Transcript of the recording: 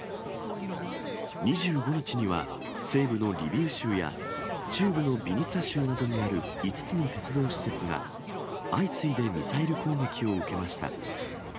２５日には、西部のリビウ州や中部のビニツァ州にある５つの鉄道施設が、相次いでミサイル攻撃を受けました。